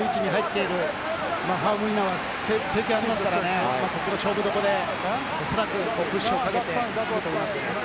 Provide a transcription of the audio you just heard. ３番の位置で入っているファウムイナは経験がありますからね、ここの勝負どころでおそらくプレッシャーをかけてくると思います。